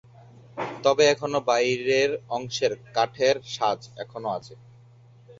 তবে এখনো বাইরের অংশের কাঠের সাজ এখনো আছে।